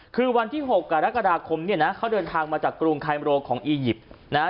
คือวันที่๖กรกฎาคมเนี่ยนะเขาเดินทางมาจากกรุงไคมโรของอียิปต์นะฮะ